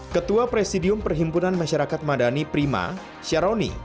ketua presidium perhimpunan masyarakat madani prima syaroni